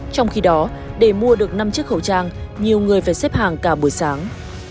trong khi đó để mua được năm chiếc khẩu trang nhiều người phải xếp hàng cả buổi sáng